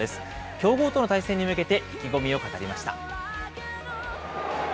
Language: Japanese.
強豪との対戦に向けて、意気込みを語りました。